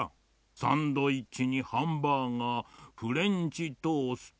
サンドイッチにハンバーガーフレンチトースト